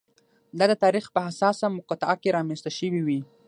دا د تاریخ په حساسه مقطعه کې رامنځته شوې وي.